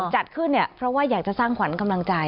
จัดขึ้นเนี่ยเพราะว่าอยากจะสร้างขวัญกำลังใจ